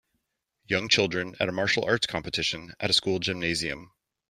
Young children at a martial arts competition, at a school gymnasium.